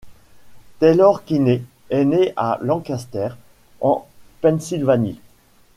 Taylor Kinney est né à Lancaster, en Pennsylvanie.